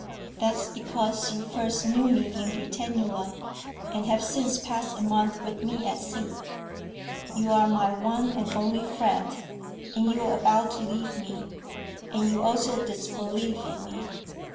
"That is because you first knew me in Britannula, and have since passed a month with me at sea. You are my one and only friend, and you are about to leave me, and you also disbelieve in me.